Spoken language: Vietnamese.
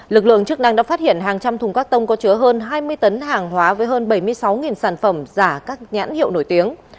lực lượng chức năng đã phát hiện hàng trăm thùng các tông có chứa hơn hai mươi tấn hàng hóa với hơn bảy mươi sáu sản phẩm giả các nhãn hiệu nổi tiếng